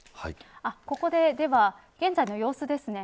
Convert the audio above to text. ここで、では現在の様子ですね。